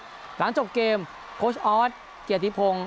หลังจบเกมโค้ชออสเกียรติพงศ์